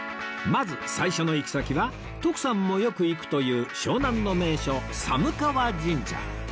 まず最初の行き先は徳さんもよく行くという湘南の名所寒川神社